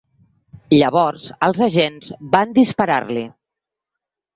Llavors els agents van disparar-li.